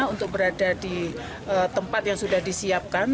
untuk berada di tempat yang sudah disiapkan